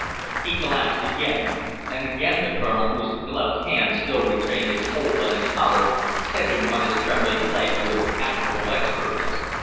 He collapsed again, and again the colonel, whose gloved hand still retained its hold on his collar, set him on his trembling legs with admirable expertness.